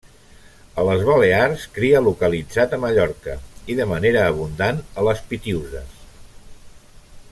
A les Balears cria localitzat a Mallorca i, de manera abundant, a les Pitiüses.